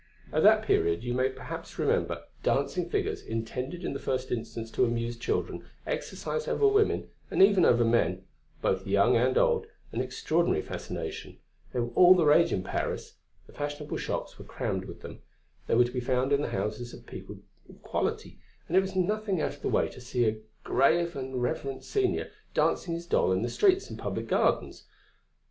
At that period, you perhaps remember, dancing figures, intended in the first instance to amuse children, exercised over women and even over men, both young and old, an extraordinary fascination; they were all the rage in Paris. The fashionable shops were crammed with them; they were to be found in the houses of people of quality, and it was nothing out of the way to see a grave and reverend senior dancing his doll in the streets and public gardens.